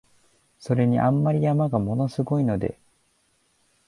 それに、あんまり山が物凄いので、